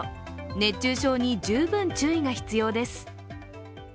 熱中症に十分注意が必要です。